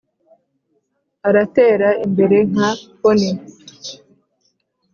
aratera imbere nka pony,